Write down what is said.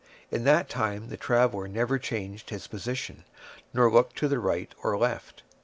In that time the traveller never changed his position, nor looked to the right or left.